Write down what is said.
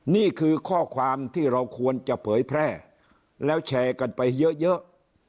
นี่คือข้อความที่เราควรจะเผยแพร่แล้วแชร์กันไปเยอะ